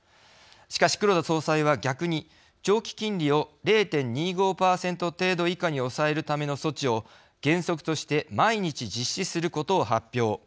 しかし黒田総裁は逆に長期金利を０．２５％程度以下に抑えるための措置を原則として毎日実施することを発表。